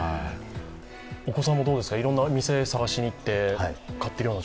お子さんもどうですか、いろんな店に探にいって買っているような